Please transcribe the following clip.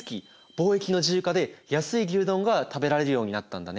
貿易の自由化で安い牛丼が食べられるようになったんだね。